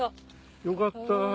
・よかった